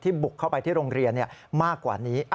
บุกเข้าไปที่โรงเรียนมากกว่านี้